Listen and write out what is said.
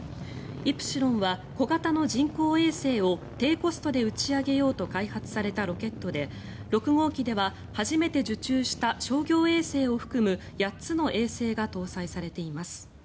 イプシロンは小型の人工衛星を低コストで打ち上げようと開発されたロケットで６号機では初めて受注した商業衛星を含む８つの衛星が搭載されています。